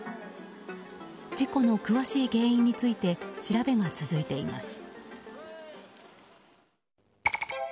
事故の詳しい原因について調べが続いています。